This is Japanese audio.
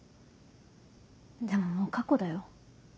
でももう過去だよ。